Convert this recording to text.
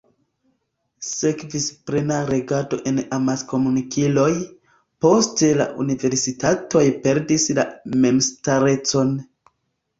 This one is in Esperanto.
Sekvis plena regado en la amaskomunikiloj, poste la universitatoj perdis la memstarecon.